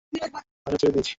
আশা ছেড়ে দিয়েছি।